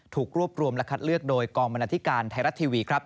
ถูกรวบรวมและคัดเลือกโดยกองบรรณาธิการไทยรัฐทีวีครับ